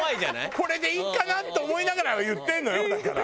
これでいいかなと思いながら言ってるのよだから。